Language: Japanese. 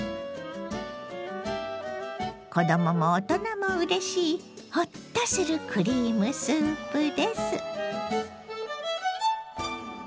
子どもも大人もうれしいホッとするクリームスープです。